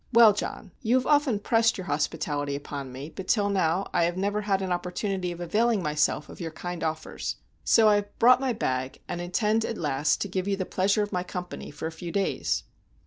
"Well, John, you have often pressed your hospitality upon me, but till now I have never had an opportunity of availing myself of your kind offers; so I have brought my bag, and intend at last to give you the pleasure of my company for a few days."